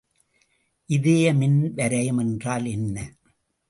இதய மின்வரையம் என்றால் என்ன?